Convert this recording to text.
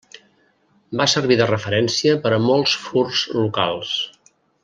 Va servir de referència per a molts furs locals.